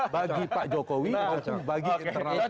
bagi pak jokowi bagi internal